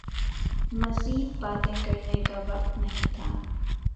مزید باتیں کرنے کا وقت نہیں تھا